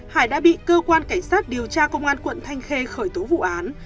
hải đã bị cơ quan cảnh sát điều tra công an quận thanh khê khởi tố vụ án